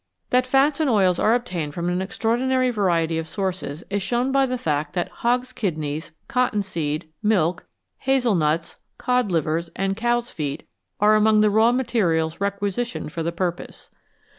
That fats and oils are obtained from an extraordinary variety of sources is shown by the fact that hogs' kidneys, cotton seed, milk, hazel nuts, cod livers, and cows' feet, are among the raw materials requisitioned for the purpose.